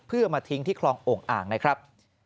เพื่อมาทิ้งที่คลองโอ่งอ่างนะครับ